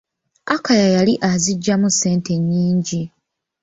Akaya yali azigyamu ssente nyingi.